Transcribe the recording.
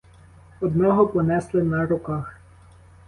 Одного понесли на руках.